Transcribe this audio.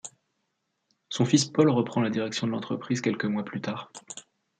Son fils Paul reprend la direction de l'entreprise quelques mois plus tard.